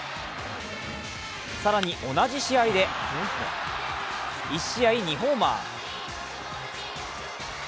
更に同じ試合で１試合２ホーマー。